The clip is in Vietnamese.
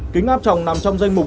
kính áp tròng nằm trong danh mục